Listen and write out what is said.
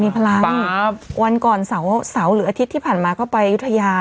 มีพลังวันก่อนเสาร์หรืออาทิตย์ที่ผ่านมาก็ไปอายุทยา